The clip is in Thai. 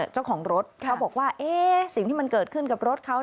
เจ้าของรถเขาบอกว่าสิ่งที่มันเกิดขึ้นกับรถเขา